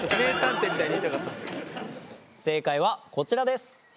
正解はこちらです。